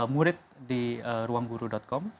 murid di ruangguru com